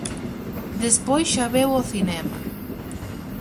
Despois xa veu o cinema.